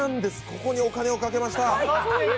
ここにお金をかけました。